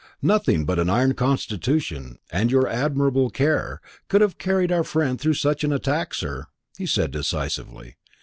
"Nothing but an iron constitution, and your admirable care, could have carried our friend through such an attack, sir," he said decisively.